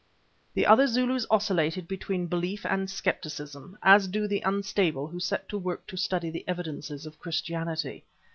The other Zulus oscillated between belief and scepticism, as do the unstable who set to work to study the evidences of Christianity.